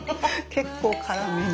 結構辛めに。